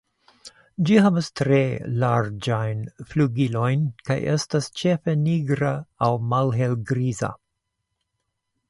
Ĝi havas tre larĝajn flugilojn, kaj estas ĉefe nigra aŭ malhelgriza.